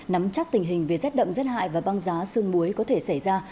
nắm chắc tình hình về rét đậm rét hại và băng giá xương muối có thể xảy ra